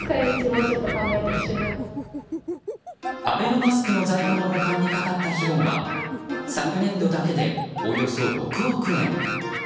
アベノマスクの在庫の保管にかかった費用は昨年度だけでおよそ６億円。